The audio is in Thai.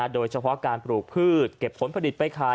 โดยเฉพาะการปลูกพืชเก็บผลผลิตไปขาย